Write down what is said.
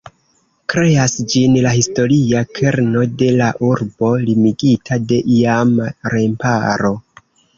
Kreas ĝin la historia kerno de la urbo limigita de iama remparo.